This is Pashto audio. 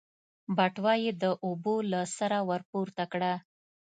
بټوه يې د اوبو له سره ورپورته کړه.